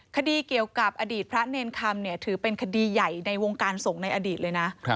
คดีเกี่ยวกับอดีตพระเนรคำเนี่ยถือเป็นคดีใหญ่ในวงการส่งในอดีตเลยนะ